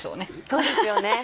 そうですよね。